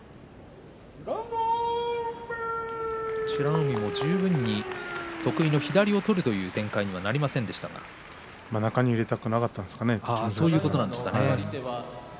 海も十分に得意の左を取るという中に入れたくなかったんでしょうね。